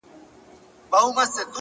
هغه چي نيم بدن يې سرو باروتو لولپه کړ!